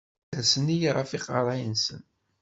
Sersen-iyi ɣef yiqerra-nsen.